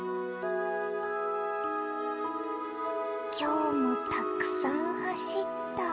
「きょうもたくさんはしった」